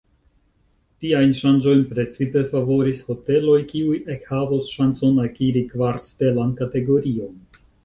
Tiajn ŝanĝojn precipe favoris hoteloj, kiuj ekhavos ŝancon akiri kvarstelan kategorion.